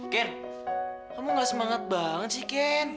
ken kamu gak semangat banget sih ken